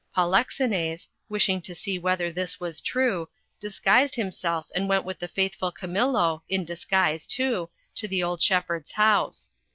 Polixenes, wishing to see whether this was true, disguised himself, and went with the faithful Camillo, in disguise too, to the old shepherd's house.